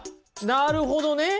なるほどね！